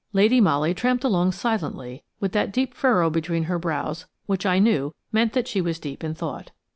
Lady Molly tramped along silently, with that deep furrow between her brows which I knew meant that she was deep in thought.